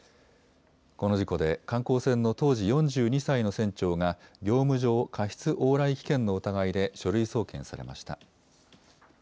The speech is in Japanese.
この事故で観光船の当時４２歳の船長が業務上過失往来危険の疑いで書類送検されました。